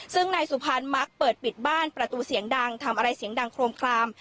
ซึ่งนายสุพรรณมักเปิดปิดบ้านประตูเสียงดังทำอะไรเสียงดังโครมคลาม